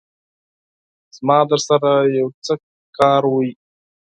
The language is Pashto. زما درسره يو څه کار وو